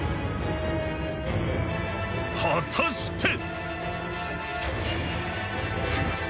果たして。